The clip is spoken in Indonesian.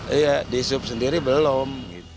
iya di sub sendiri belum